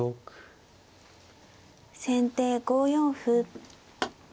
先手５四歩。